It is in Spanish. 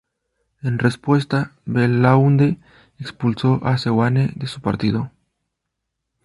En respuesta, Belaunde expulsó a Seoane de su partido.